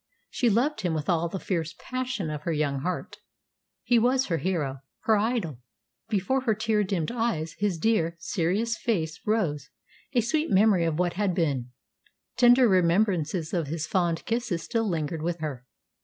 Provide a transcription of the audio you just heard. She loved him with all the fierce passion of her young heart. He was her hero, her idol. Before her tear dimmed eyes his dear, serious face rose, a sweet memory of what had been. Tender remembrances of his fond kisses still lingered with her.